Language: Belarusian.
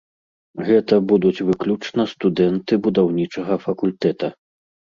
Гэта будуць выключна студэнты будаўнічага факультэта.